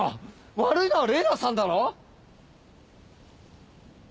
悪いのはレイナさんだろ？